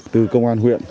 từ công an huyện